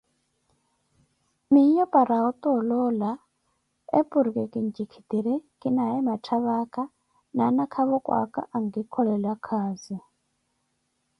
miyo paara ota oloola eporki kintjikiri kinaye matthavaka na anakavokwaka ankikolelaye khazi